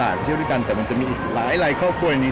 เที่ยวด้วยกันแต่มันจะมีอีกหลายครอบครัวนี้